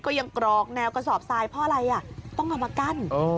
ก็ยังกรอกแนวกระสอบทรายเพราะอะไรอ่ะต้องเอามากั้นโอ้